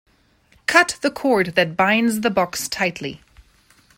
Cut the cord that binds the box tightly.